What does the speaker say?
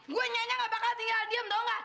gua nyanyi ga bakal tinggal diam tau ga